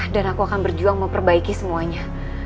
dan aku akan berjuang memperbaiki semuanya